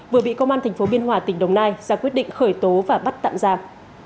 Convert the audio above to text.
vừa bị công an tp biên hòa tỉnh đồng nai ra quyết định khởi tố và bắt tạm giam